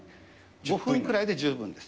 ５分くらいで十分です。